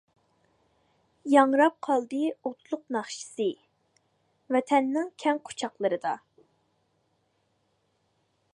ياڭراپ قالدى ئوتلۇق ناخشىسى، ۋەتەننىڭ كەڭ قۇچاقلىرىدا.